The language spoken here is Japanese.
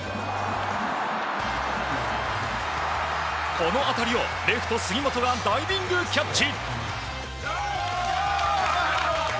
この当たりをレフト、杉本がダイビングキャッチ！